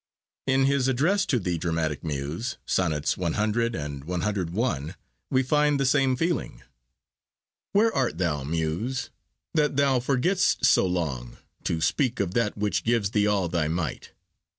In his address to the Dramatic Muse (Sonnets C. and CI.), we find the same feeling. Where art thou, Muse, that thou forget'st so long To speak of that which gives thee all thy might?